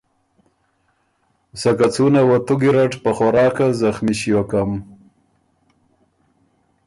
سکه څُونه وه تُو ګیرډ په خوراک زخمی ݭیوکم۔